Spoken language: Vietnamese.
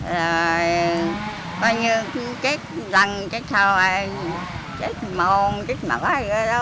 rồi coi như chết lần chết sau chết mồm chết mỡ rồi đó